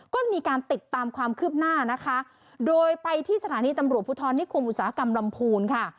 ก็จะมีการติดตามความคืบหน้านะคะโดยไปที่สถานีตำรวจภูทรนิคมอุตสาหกรรมลำพูนค่ะ